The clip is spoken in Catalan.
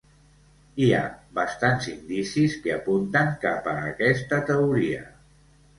Hi ha bastants indicis que apunten cap a aquesta teoria.